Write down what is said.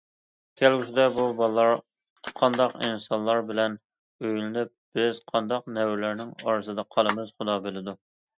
كەلگۈسىدە بۇ بالىلار قانداق ئىنسانلار بىلەن ئۆيلىنىپ، بىز قانداق نەۋرىلەرنىڭ ئارىسىدا قالىمىز، خۇدا بىلىدۇ.